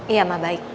iya emang baik